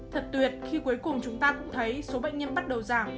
thật tuyệt khi cuối cùng chúng ta cũng thấy số bệnh nhân bắt đầu giảm